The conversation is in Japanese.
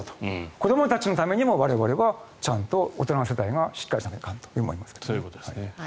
子どもたちのためにも我々はちゃんと大人世代がしっかりしないといかんと思います。